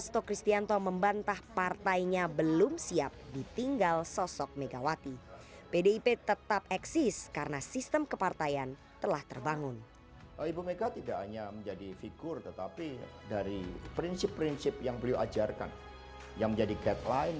tentu megawati soekarno putri begitu melekat